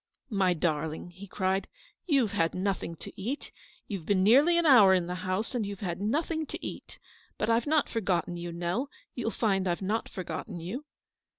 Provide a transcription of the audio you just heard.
" My darling," he cried, " you've had nothing to eat ; you've been nearly an hour in the house, and you've had nothing to eat. But I've not for gotten you, Nell; you'll find I've not forgotten you."